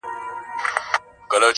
پروت لا پر ساحل ومه توپان راسره وژړل٫